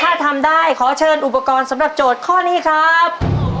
ถ้าทำได้ขอเชิญอุปกรณ์สำหรับโจทย์ข้อนี้ครับ